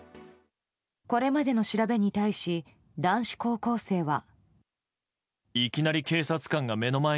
これまでの調べに対し男子高校生は。